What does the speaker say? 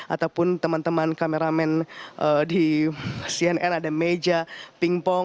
ataupun teman teman kameramen di cnn ada meja pingpong